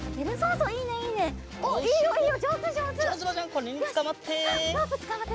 これにつかまって！